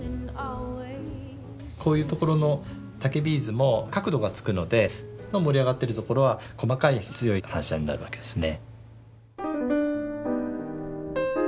こういうところの竹ビーズも角度がつくので盛り上がってるところは細かい強い反射になるわけですね。